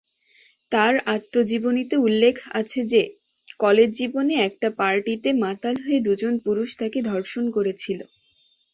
তার আত্মজীবনীতে উল্লেখ আছে যে, কলেজ জীবনে একটা পার্টিতে মাতাল হয়ে দুজন পুরুষ তাকে ধর্ষণ করেছিল।